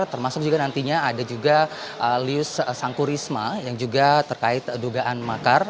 termasuk juga nantinya ada juga lius sangkurisma yang juga terkait dugaan makar